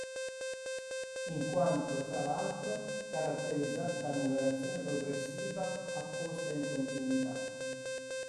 In quanto (fra l'altro) caratterizzata da numerazione progressiva apposta in continuità.